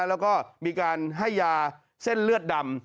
แล้วก็มีการให้ยาเส้นเลือดดำ